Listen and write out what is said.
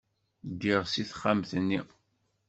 Ddiɣ seg texxamt-nni.